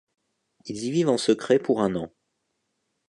Ils y vivent en secret pour un an.